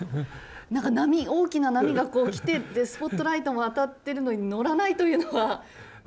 なんか波大きな波がこう来てでスポットライトも当たってるのに乗らないというのはどうしてですか？